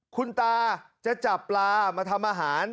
คุณตาจะจับปลามาทำอาหาร